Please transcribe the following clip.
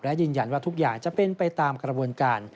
และยืนยันว่าทุกอย่างจะเป็นไปตามกระบวนการ